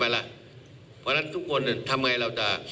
เพราะฉะนั้นทุกคนทำไงเราจะ